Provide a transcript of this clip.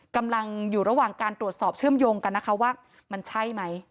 กำลังอยู่ระหว่างการตรวจสอบเชื่อมโยงกันนะคะว่ามันใช่ไหม